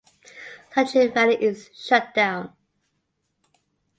Sanjivani is shut down.